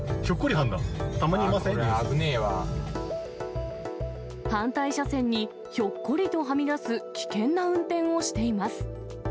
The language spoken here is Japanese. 反対車線にひょっこりとはみ出す危険な運転をしています。